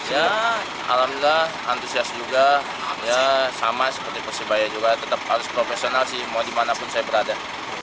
alhamdulillah antusias juga ya sama seperti persebaya juga tetap harus profesional sih mau dimanapun saya berada